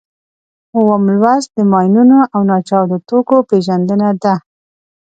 اووم لوست د ماینونو او ناچاودو توکو پېژندنه ده.